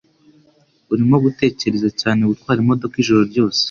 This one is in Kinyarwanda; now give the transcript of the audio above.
Urimo gutekereza cyane gutwara imodoka ijoro ryose